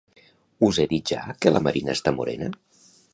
Us he dit ja que la Marina està morena?